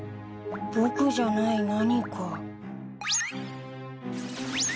僕じゃない何か。